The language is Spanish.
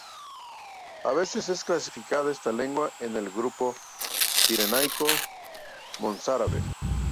A veces es clasificada esta lengua en el grupo Pirenaico-Mozárabe.